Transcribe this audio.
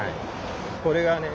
これがね